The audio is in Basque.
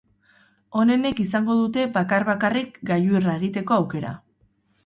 Onenek izango dute bakar-bakarrik gailurra egiteko aukera.